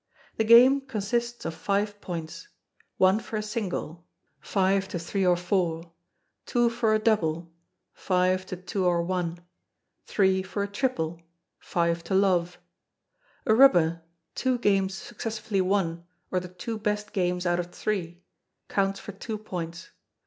The Game consists of Five Points. One for a Single 5 to 3 or 4; Two for a Double 5 to 1 or 2; Three for a Triple 5 to love. A Rubber two Games successively won, or the two best Games out of three counts for Two Points.